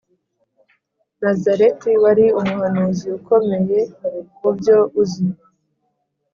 Nazareti wari umuhanuzi ukomeye mu byo uzi